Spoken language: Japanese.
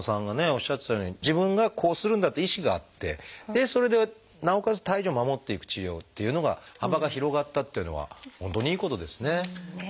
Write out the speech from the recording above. おっしゃってたように自分がこうするんだという意志があってそれでなおかつ胎児を守っていく治療っていうのが幅が広がったっていうのは本当にいいことですね。